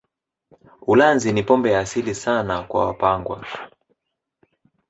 Ulanzi ni pombe ya asili sana kwa Wapangwa